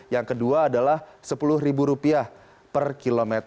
yang kedua adalah rp sepuluh per km